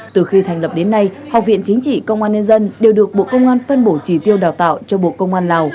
từ khi thành lập đến nay học viện chính trị công an nhân dân đều được bộ công an phân bổ trí tiêu đào tạo cho bộ công an lào